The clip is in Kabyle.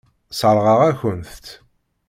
Sseṛɣeɣ-akent-tt.